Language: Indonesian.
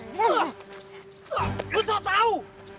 lo salah tahu